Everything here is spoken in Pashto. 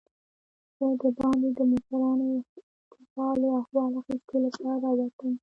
زه دباندې د موټرانو د حال و احوال اخیستو لپاره راووتم.